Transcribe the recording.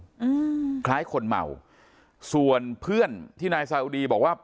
อืมคล้ายคนเมาส่วนเพื่อนที่นายซาอุดีบอกว่า